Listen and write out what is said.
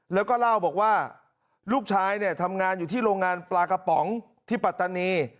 แล้วก็เล่าบอกว่าลูกชายเนี่ยทำงานอยู่ที่โรงงานปลากระป๋องที่ปัตตานี